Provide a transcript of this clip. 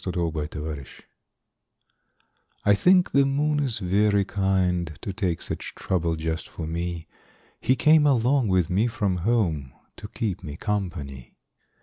II The Kind Moon I think the moon is very kind To take such trouble just for me. He came along with me from home To keep me company.